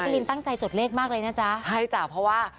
ลินตั้งใจจดเลขมากเลยนะจ๊ะใช่จ้ะเพราะว่า